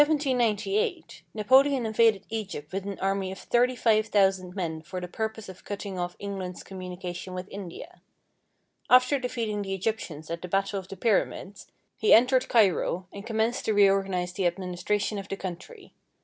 1848) In 1 798, Napoleon invaded Egypt with an army of thirty five thousand men for the purpose of cutting off England's com munication with India. After defeating the Egyptians at the battle of the Pyramids, he entered Cairo and commenced to reorganize the administration of the country.